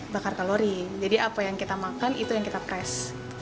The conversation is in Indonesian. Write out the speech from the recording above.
bakar kalori jadi apa yang kita makan itu yang kita press